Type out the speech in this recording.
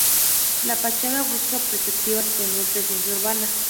La fachada busca perspectivas y tener presencia urbana.